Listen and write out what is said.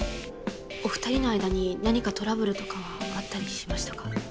お２人の間に何かトラブルとかはあったりしましたか？